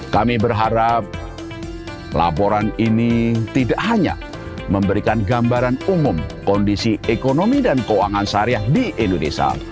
kami berharap laporan ini tidak hanya memberikan gambaran umum kondisi ekonomi dan keuangan syariah di indonesia